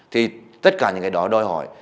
thì tất cả những cái đó đòi hỏi